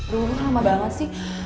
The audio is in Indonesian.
dulu lama banget sih